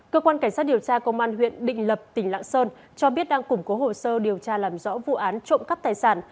cơ quan cảnh sát điều tra công an huyện định lập tỉnh lạng sơn cho biết đang củng cố hồ sơ điều tra làm rõ vụ án trộm cắp tài sản